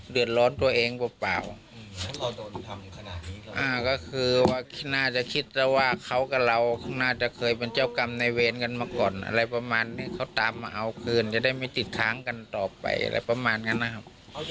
เดือดร้อนตัวเองป่าวอ่าก็คือว่าน่าจะคิดว่าเขากันเราน่าจะเคยเป็นเจ้ากรรมในเวรกันมาก่อนอะไรประมาณนี้เขาตามมาเอาคืนจะได้ไม่ติดทางกันต่อไปอะไรประมาณนั้นนะครับ